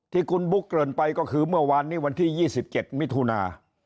ที่คุณบุ๊คเกินไปก็คือเมื่อวานนี้วันที่๒๗มิถุนา